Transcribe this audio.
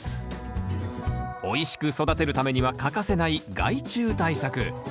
おいしく育てるためには欠かせない害虫対策。